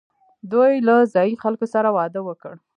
دوی له ځايي خلکو سره واده وکړ